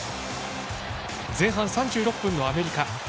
前半３６分のアメリカ。